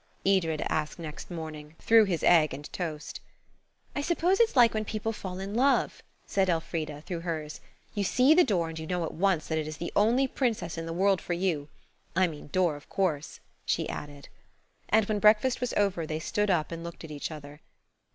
Edred asked next morning, through his egg and toast. "I suppose it's like when people fall in love," said Elfrida, through hers. "You see the door and you know at once that it is the only princess in the world for you–I mean door, of course," she added. And then, when breakfast was over, they stood up and looked at each other.